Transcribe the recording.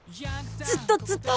ずっとずっと。